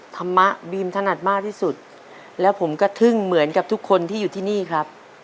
ธรรมะบีมถนัดมากที่สุดแล้วผมก็ทึ่งเหมือนกับทุกคนที่อยู่ที่นี่ครับ